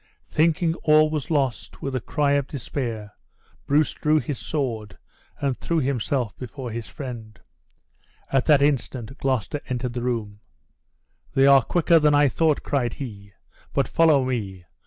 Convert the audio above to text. Thinking all was lost, with a cry of despair, Bruce drew his sword, and threw himself before his friend. At that instant Gloucester entered the room. "They are quicker than I thought!" cried he; "but follow me.